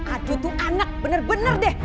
aduh tuh anak bener bener deh